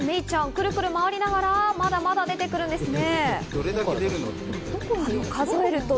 くるくる回りながら、まだまだ出てくるんですね。